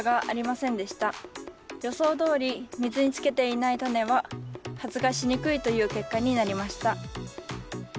予想どおり水につけていないタネは発芽しにくいという結果になりました。